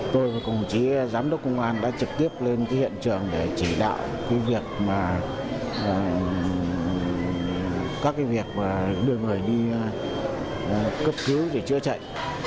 tôi và cùng chí giám đốc công an đã trực tiếp lên hiện trường để chỉ đạo các việc đưa người đi cấp cứu để chữa chạy